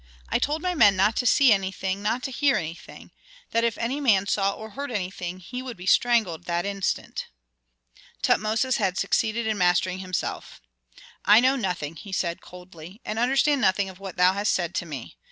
I told my men not to see anything, not to hear anything; that if any man saw or heard anything he would be strangled that instant." Tutmosis had succeeded in mastering himself. "I know nothing," said he, coldly, "and understand nothing of what thou hast said to me.